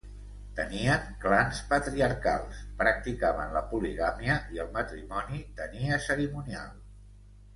Tenien clans patriarcals, practicaven la poligàmia i el matrimoni tenia cerimonial.